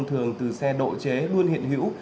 thường từ xe độ chế luôn hiện hữu